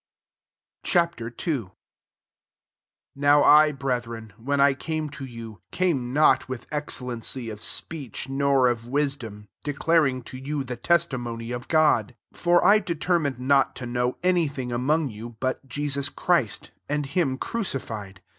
'^ Ch. II. 1 NOW I, brethren, when I came to you, came not with excellency of speech, nor of wisdom, declaring to you the testimony of God. 2 For I determined not to know any thing among you, but 'Jesus Christ, and him crucified.